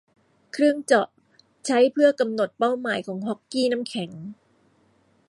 เครื่องเจาะใช้เพื่อกำหนดเป้าหมายของฮ็อกกี้น้ำแข็ง